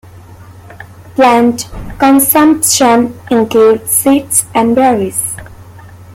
Plant consumption includes seeds and berries.